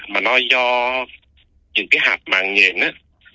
mà nó do những cái hạt mạng nhện á